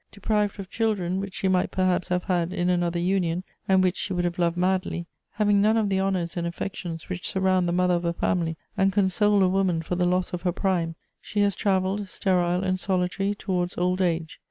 Deprived of children, which she might perhaps have had in another union, and which she would have loved madly; having none of the honours and affections which surround the mother of a family and console a woman for the loss of her prime, she has travelled, sterile and solitary, towards old age.